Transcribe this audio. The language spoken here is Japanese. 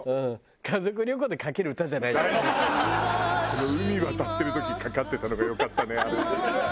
海渡ってる時かかってたのがよかったねあれ。